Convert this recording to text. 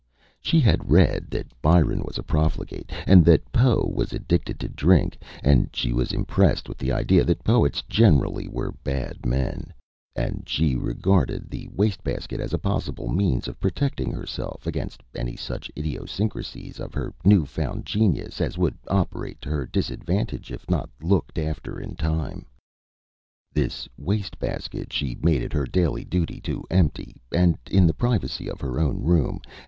She had read that Byron was profligate, and that Poe was addicted to drink, and she was impressed with the idea that poets generally were bad men, and she regarded the waste basket as a possible means of protecting herself against any such idiosyncrasies of her new found genius as would operate to her disadvantage if not looked after in time. This waste basket she made it her daily duty to empty, and in the privacy of her own room.